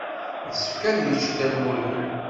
Yessefk ad yečč Dda Lmulud.